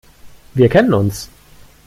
Wir kennen uns.